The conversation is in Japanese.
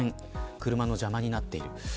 車の邪魔にもなっています。